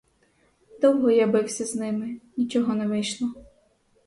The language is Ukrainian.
Довго я бився з ними, нічого не вийшло!